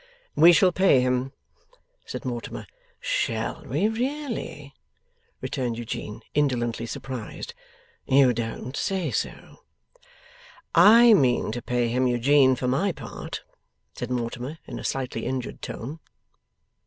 'We shall pay him,' said Mortimer. 'Shall we, really?' returned Eugene, indolently surprised. 'You don't say so!' 'I mean to pay him, Eugene, for my part,' said Mortimer, in a slightly injured tone.